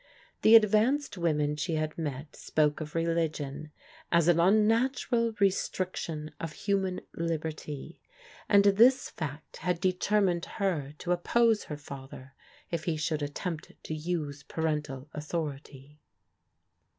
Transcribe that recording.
The advanced women she had met spoke of religion " as an unnatural restriction of human liberty," and this fact had determined her to op pose her father if he should attempt to use parental au thority.